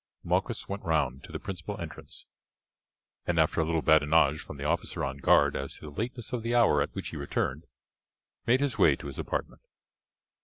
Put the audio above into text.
Malchus went round to the principal entrance, and after a little badinage from the officer on guard as to the lateness of the hour at which he returned, made his way to his apartment.